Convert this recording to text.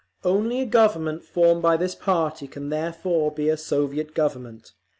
Only a Government formed by this party can therefore be a Soviet Government.